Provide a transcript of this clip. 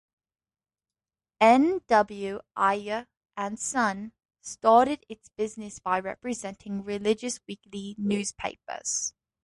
N. W. Ayer and Son started its business by representing religious weekly newspapers.